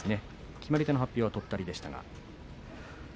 決まり手の発表はとったりでした。